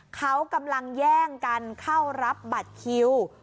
เขากำลังแย่งกันเข้ารับบัตรคิว